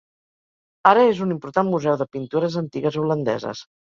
Ara és un important museu de pintures antigues holandeses.